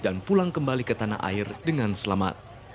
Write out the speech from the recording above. dan pulang kembali ke tanah air dengan selamat